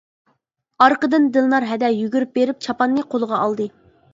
ئارقىدىن دىلنار ھەدە يۈگۈرۈپ بېرىپ چاپاننى قولىغا ئالدى.